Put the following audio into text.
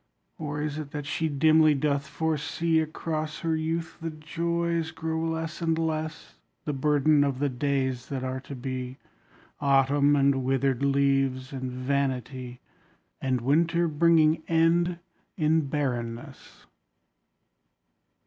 Or is it that she dimly doth foresee Across her youth the joys grow less and less The burden of the days that are to be: Autumn and withered leaves and vanity, And winter bringing end in barrenness.